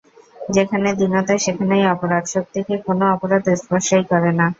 যেখানে দীনতা সেখানেই অপরাধ, শক্তিকে কোনো অপরাধ স্পর্শই করে না।